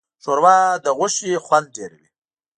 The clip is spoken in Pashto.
ښوروا د غوښې خوند ډېروي.